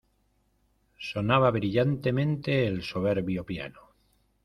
Sonaba brillantemente el soberbio piano.